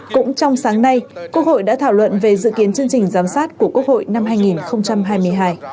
cũng trong sáng nay quốc hội đã thảo luận về dự kiến chương trình giám sát của quốc hội năm hai nghìn hai mươi hai